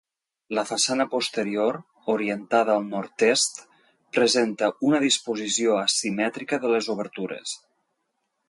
La façana posterior, orientada al nord-est, presenta una disposició asimètrica de les obertures.